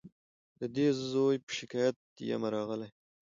د دې زوی په شکایت یمه راغلې